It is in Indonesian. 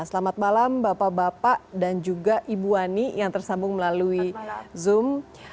selamat malam bapak bapak dan juga ibu ani yang tersambung melalui zoom